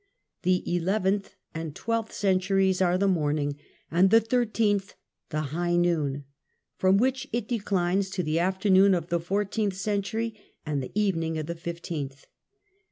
The eleventh and twelfth centuries are the morning, and '' the thirteenth the hi gh noon, from which it declines to the afternoon of the fourteenth century and the even ing of the fifteenth.